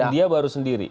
dia baru sendiri